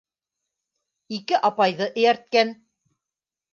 Ике апайҙы эйәрткән.